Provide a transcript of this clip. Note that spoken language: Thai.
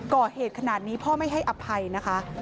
ก่อเหตุขนาดนี้พ่อไม่ให้อภัยนะคะ